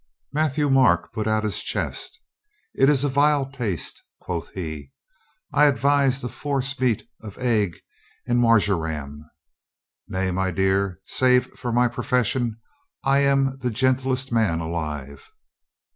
Matthieu Marc put out his chest. "It is a vile taste," quoth he. "I advise a forcemeat of egg and marjoram. Nay, my dear, save for my profession I am the gentlest man alive."